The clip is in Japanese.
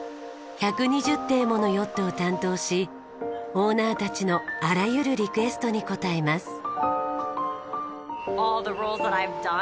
１２０艇ものヨットを担当しオーナーたちのあらゆるリクエストに応えます。